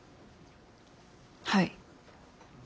はい。